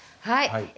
はい！